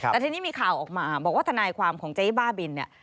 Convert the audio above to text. แต่ทีนี้มีข่าวออกมาบอกว่าทนายความของเจ๊บ้าบินเนี่ย